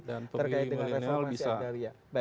dan pemilih millennial bisa